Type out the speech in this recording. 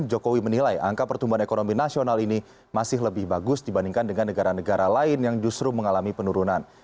jokowi menilai angka pertumbuhan ekonomi nasional ini masih lebih bagus dibandingkan dengan negara negara lain yang justru mengalami penurunan